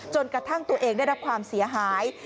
จนกระทั่งตัวเองได้รับความเสียหาย